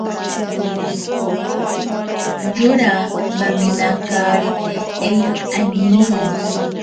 Yora maninakarite ero añiiri.